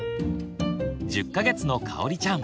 １０か月のかおりちゃん。